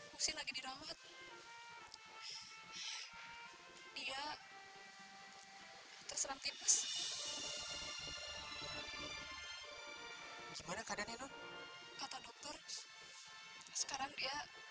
kita gak selamanya akan tinggal di sini